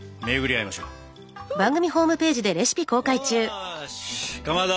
よしかまど